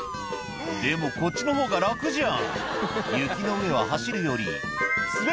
「でもこっちのほうが楽じゃん」